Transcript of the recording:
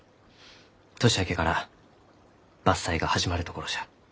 年明けから伐採が始まるところじゃ。